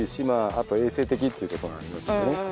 あと衛生的っていうとこがありますね